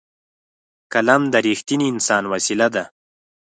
قلم د رښتیني انسان وسېله ده